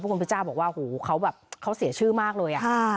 พระคุณพระเจ้าบอกว่าเขาเสียชื่อมากเลย